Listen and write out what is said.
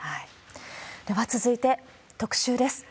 では続いて、特集です。